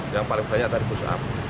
yang paling banyak dari push up